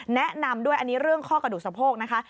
แนะนำด้วยอันนี้เรื่องข้อกระดูกสะโพกนะคะ